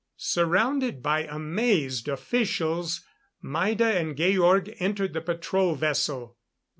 Surrounded by amazed officials, Maida and Georg entered the patrol vessel.